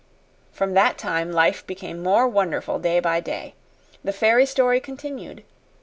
From that time life became more wonderful day by day. The fairy story continued.